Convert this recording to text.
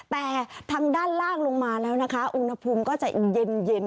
แต่ทางด้านล่างลงมาแล้วนะคะอุณหภูมิก็จะเย็น